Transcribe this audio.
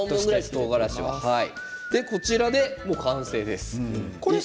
こちらで完成です。